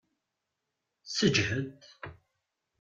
Seǧhed!